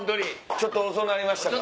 ちょっと遅なりましたか？